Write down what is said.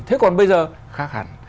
thế còn bây giờ khác hẳn